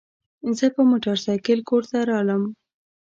زه پر موترسایکل کور ته رالم.